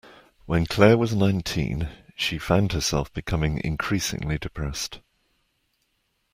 When Claire was nineteen she found herself becoming increasingly depressed